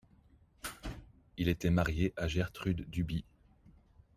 Il était marié à Gertrude Duby.